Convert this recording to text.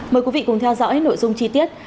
mời quý vị cùng theo dõi nội dung chi tiết